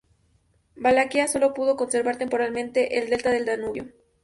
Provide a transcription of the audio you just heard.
Valaquia solo pudo conservar temporalmente el delta del Danubio.